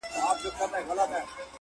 په لوړو سترګو ځمه له جهانه قاسم یاره